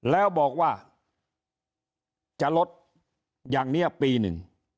แล้วบอกว่าจะลดอย่างนี้ปีหนึ่ง